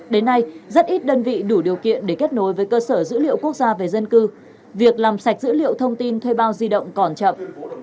đến nay rất ít đơn vị đủ điều kiện để kết nối với cơ sở dữ liệu quốc gia về dân cư việc làm sạch dữ liệu thông tin thuê bao di động còn chậm